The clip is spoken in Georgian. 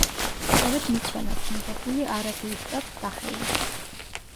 სწორედ მისგან აქვს მიღებული არაგუის შტატს სახელი.